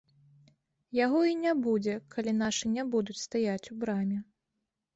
Яго і не будзе, калі нашы не будуць стаяць у браме.